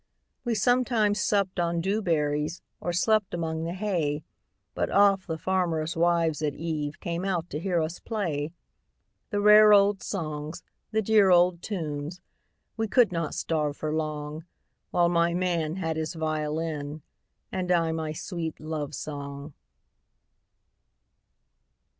We sometimes supped on dew berries, Or slept among the hay, But oft the farmers' wives at eveCame out to hear us play; The rare old songs, the dear old tunes,—We could not starve for longWhile my man had his violin, And I my sweet love song.